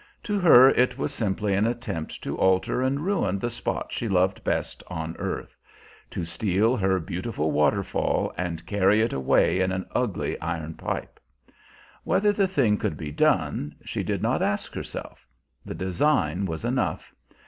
To her it was simply an attempt to alter and ruin the spot she loved best on earth; to steal her beautiful waterfall and carry it away in an ugly iron pipe. Whether the thing could be done, she did not ask herself; the design was enough.